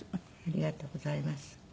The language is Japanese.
ありがとうございます。